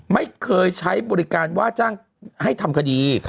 ไม่เคยใช้บริการว่าจ้างให้ทำคดี